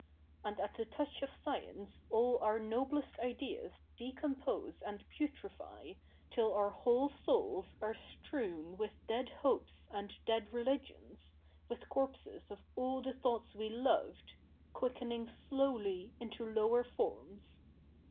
And at the touch of science all our noblest ideas decom pose and putrefy, till our whole souls are strewn with dead hopes and dead religions, with corpses of all the thoughts we loved Quickening slowly into lower forms.